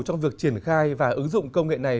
trong việc triển khai và ứng dụng công nghệ này